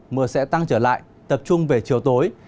mưa sẽ tăng trở lại tập trung về chiều tối